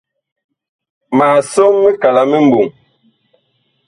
Ma som mikala mi mɓɔŋ.